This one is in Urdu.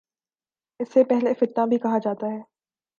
اسے پہلا فتنہ بھی کہا جاتا ہے